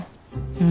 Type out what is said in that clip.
うん。